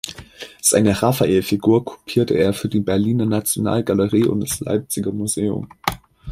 Seine Raffael-Figur kopierte er für die Berliner Nationalgalerie und das Leipziger Museum.